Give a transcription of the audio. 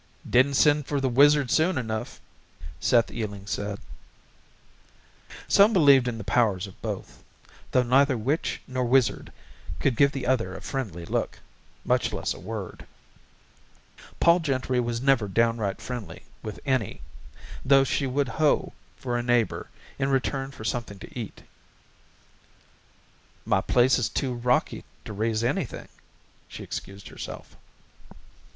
"Didn't send for the wizard soon enough," Seth Eeling said. Some believed in the powers of both, though neither witch nor wizard would give the other a friendly look, much less a word. Pol Gentry was never downright friendly with any, though she would hoe for a neighbor in return for something to eat. "My place is too rocky to raise anything," she excused herself.